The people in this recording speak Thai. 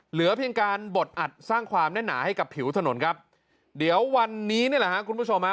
เหลือเพียงการบดอัดสร้างความแน่นหนาให้กับผิวถนนครับเดี๋ยววันนี้นี่แหละฮะคุณผู้ชมฮะ